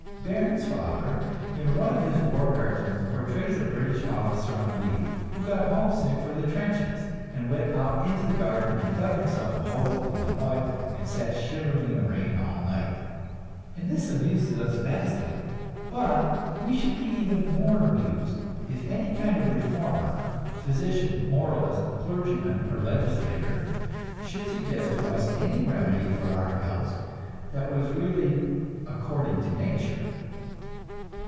Bairnsfather, in one of his war cartoons, portrays a British officer on leave, who got homesick for the trenches and went out into the garden and dug himself a hole in the mud and sat shivering in the rain all night. And this amuses us vastly; but we should be even more amused if any kind of reformer, physician, moralist, clergyman or legislator should suggest to us any remedy for our ills that was really "according to nature."